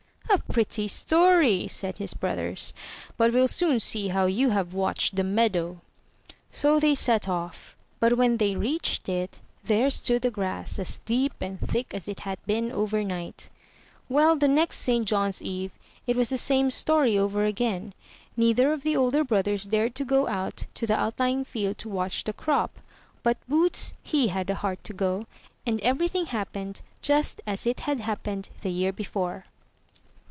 "A pretty story!" said his brothers. "But we'll soon see how you have watched the meadow." So they set off; but when they reached it, there stood the grass as deep and thick as it had been over night. Well, the next St. John's eve it was the same story over again; neither of the older brothers dared to go out to the outlying 54 THROUGH FAIRY HALLS field to watch the crop; but Boots, he had the heart to go, and everything happened just as it had happened the year before.